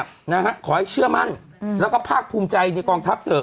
ขอให้เชื่อมั่นแล้วก็ภาคภูมิใจในกองทัพเถอะ